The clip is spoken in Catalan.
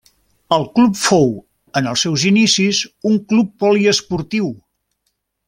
El club fou en els seus inicis un club poliesportiu.